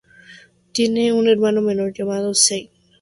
Tiene un hermano menor llamado Shane.